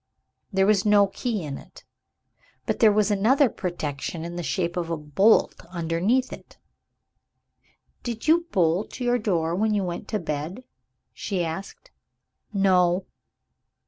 There was no key in it, but there was another protection in the shape of a bolt underneath. "Did you bolt your door when you went to bed?" she asked. "No."